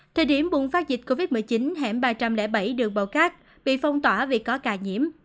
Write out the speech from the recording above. thời điểm bùng phát dịch covid một mươi chín hẻm ba trăm linh bảy đường bầu cát bị phong tỏa vì có ca nhiễm